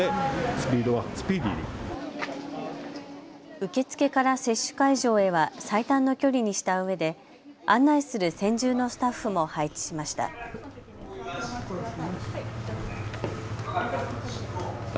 受け付けから接種会場へは最短の距離にしたうえで案内する専従のスタッフも配置しました。